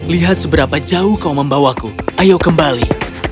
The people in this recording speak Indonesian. lihat seberapa jauh kau membawaku ayo kembali